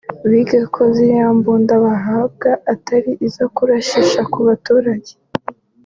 bige ko ziriya mbunda bahabwa atari izo kurashisha ku baturage